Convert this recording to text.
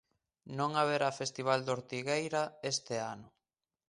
Non haberá Festival de Ortigueira este ano.